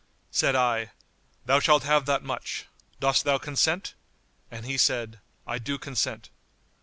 Said I, "Thou shalt have that much; dost thou consent?"; and he said, "I do consent."